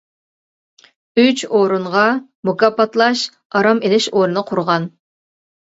ئۈچ ئورۇنغا مۇكاپاتلاش، ئارام ئىلىش ئورنى قۇرغان.